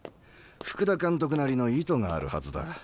福田監督なりの意図があるはずだ。